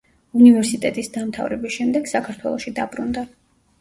უნივერსიტეტის დამთავრების შემდეგ საქართველოში დაბრუნდა.